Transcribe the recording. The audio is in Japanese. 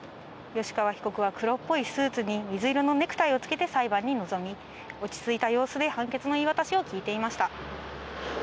吉川被告は黒っぽいスーツに水色のネクタイをつけて裁判に臨み、落ち着いた様子で判決の言い渡しを聞いていました。